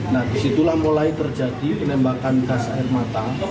nah disitulah mulai terjadi penembakan gas air mata